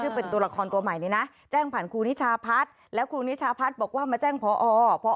ซึ่งเป็นตัวละครตัวใหม่เนี่ยนะแจ้งผ่านครูนิชาพัฒน์แล้วครูนิชาพัฒน์บอกว่ามาแจ้งพอ